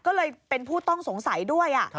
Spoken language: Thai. ก็เลยเป็นผู้ต้องสงสัยด้วย